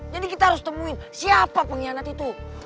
jadi kita harus temuin siapa pengkhianat itu